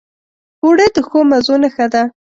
اوړه د ښو مزو نښه ده